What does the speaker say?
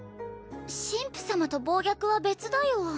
神父様と暴虐は別だよ